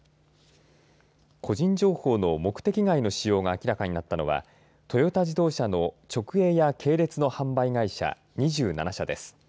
個人情報の目的外の使用が明らかになったのはトヨタ自動車の直営や系列の販売会社２７社です。